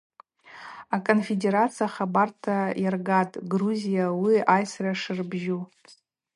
А-Конфедерация хабарта йаргатӏ Грузии ауии айсра шырбжьу.